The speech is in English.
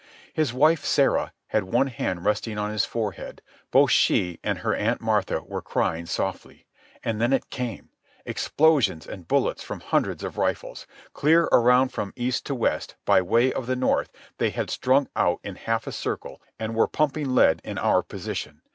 His wife, Sarah, had one hand resting on his forehead. Both she and her Aunt Martha were crying softly. And then it came—explosions and bullets from hundreds of rifles. Clear around from east to west, by way of the north, they had strung out in half a circle and were pumping lead in our position.